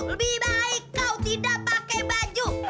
lebih baik kau tidak pakai baju